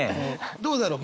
どうだろう？